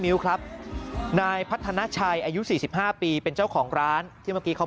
มิ้วครับนายพัฒนาชัยอายุ๔๕ปีเป็นเจ้าของร้านที่เมื่อกี้เขา